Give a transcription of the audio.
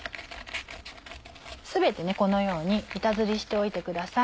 全てこのように板ずりしておいてください。